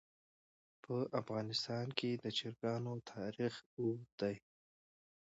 په افغانستان کې د چرګانو تاریخ اوږد دی.